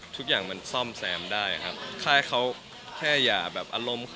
ทุกอย่างมันซ่อมแซมได้ครับ